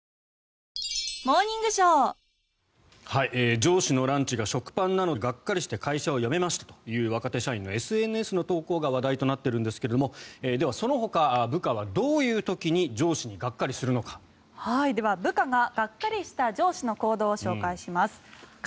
上司のランチが食パンなのでがっかりして会社を辞めましたという若手社員のＳＮＳの投稿が話題となっているんですがでは、そのほか部下はどういう時に上司にがっかりするのか。